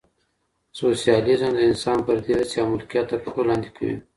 سوسیالیزم د انسان فردي هڅي او ملکیت تر پښو لاندې کوي.